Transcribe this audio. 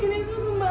kamu haus damai